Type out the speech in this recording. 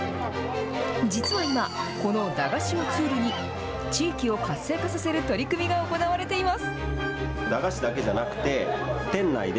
実は今、この駄菓子をツールに、地域を活性化させる取り組みが行われています。